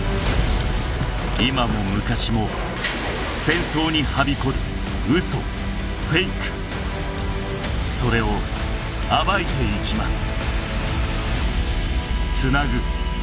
今も昔も戦争にはびこるそれを暴いていきます